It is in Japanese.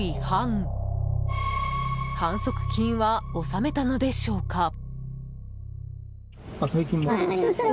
反則金は納めたのでしょうか。